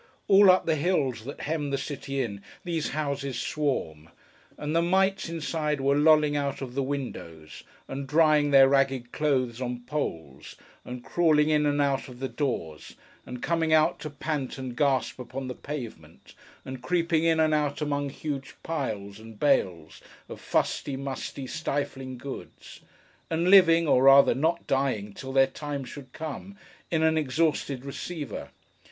All up the hills that hem the city in, these houses swarm; and the mites inside were lolling out of the windows, and drying their ragged clothes on poles, and crawling in and out at the doors, and coming out to pant and gasp upon the pavement, and creeping in and out among huge piles and bales of fusty, musty, stifling goods; and living, or rather not dying till their time should come, in an exhausted receiver.